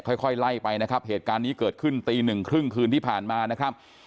ค่อยไล่ไปนะครับเหตุการณ์นี้เกิดขึ้นตีหนึ่งครึ่งคืนที่ผ่านมานะครับ